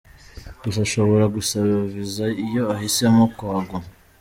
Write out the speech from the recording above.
Gusa ashobora gusaba viza iyo ahisemo kuhaguma.